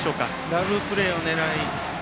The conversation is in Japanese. ダブルプレーを。